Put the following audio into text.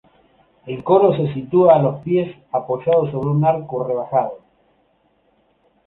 El coro se sitúa a los pies apoyado sobre un arco rebajado.